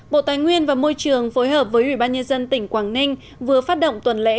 bộ tài nguyên và môi trường phối hợp với ủy ban nhân dân tỉnh quảng ninh vừa phát động tuần lễ